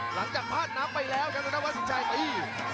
หลังจากพลาดน้ำไปแล้วครับแล้ววัสินชัยไป